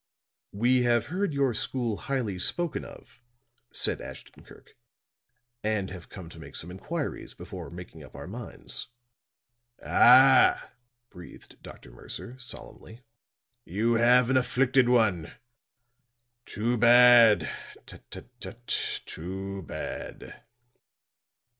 "We have heard your school highly spoken of," said Ashton Kirk. "And have come to make some inquiries before making up our minds." "Ah," breathed Dr. Mercer, solemnly, "you have an afflicted one. Too bad! Tut, tut, tut, too bad!"